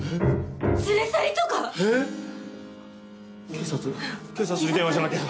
警察警察に電話しなきゃ！